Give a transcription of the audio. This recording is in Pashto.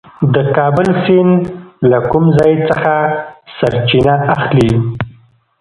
د کابل سیند له کوم ځای څخه سرچینه اخلي؟